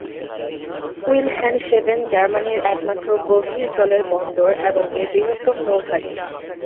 Wilhelmshaven জার্মানির একমাত্র গভীর জলের বন্দর এবং এর বৃহত্তম নৌ ঘাঁটি।